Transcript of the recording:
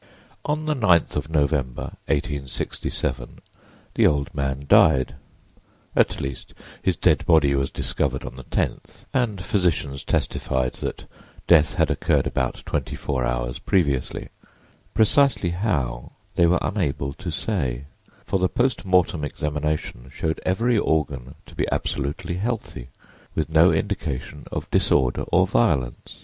On the 9th of November, 1867, the old man died; at least his dead body was discovered on the 10th, and physicians testified that death had occurred about twenty four hours previously—precisely how, they were unable to say; for the post mortem examination showed every organ to be absolutely healthy, with no indication of disorder or violence.